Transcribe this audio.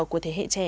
của thế hệ trẻ